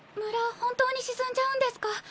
本当に沈んじゃうんですか？